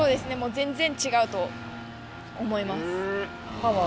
全然違うと思います。